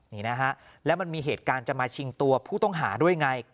นี่นะฮะแล้วมันมีเหตุการณ์จะมาชิงตัวผู้ต้องหาด้วยไง